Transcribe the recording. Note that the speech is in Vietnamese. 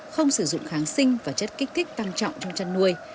không sử dụng kháng sinh và chất kích thích tăng trọng trong chăn nuôi